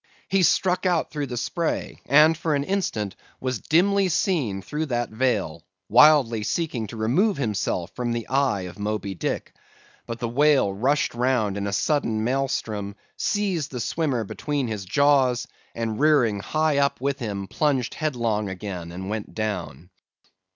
He struck out through the spray, and, for an instant, was dimly seen through that veil, wildly seeking to remove himself from the eye of Moby Dick. But the whale rushed round in a sudden maelstrom; seized the swimmer between his jaws; and rearing high up with him, plunged headlong again, and went down.